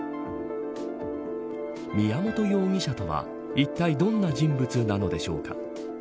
宮本容疑者とはいったいどんな人物なのでしょうか。